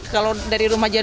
kalau dari rumah jualan